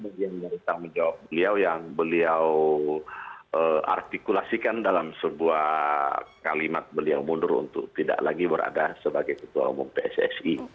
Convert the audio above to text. bagian dari tanggung jawab beliau yang beliau artikulasikan dalam sebuah kalimat beliau mundur untuk tidak lagi berada sebagai ketua umum pssi